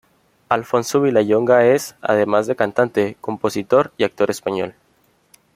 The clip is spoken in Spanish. Alfonso Vilallonga es, además de cantante, compositor y actor español.